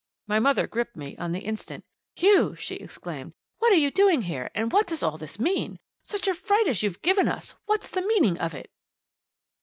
My mother gripped me on the instant. "Hugh!" she exclaimed. "What are you doing here, and what does all this mean? Such a fright as you've given us! What's the meaning of it?"